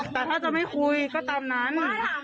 แต่ถ้าจะไม่คุยก็ตามนั้น